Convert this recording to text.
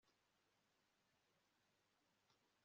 nasanze bigoye kumenyera aho nshyashya